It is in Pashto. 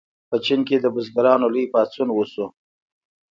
په چین کې د بزګرانو لوی پاڅون وشو.